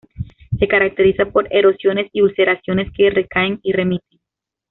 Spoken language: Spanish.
Se caracteriza por erosiones y ulceraciones que recaen y remiten.